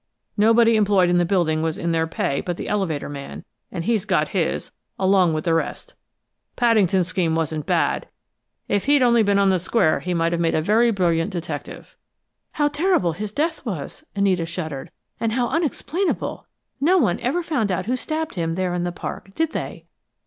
Nobody employed in the building was in their pay but the elevator man, and he's got his, along with the rest! Paddington's scheme wasn't bad; if he'd only been on the square, he might have made a very brilliant detective!" "How terrible his death was!" Anita shuddered. "And how unexplainable! No one ever found out who stabbed him, there in the park, did they?"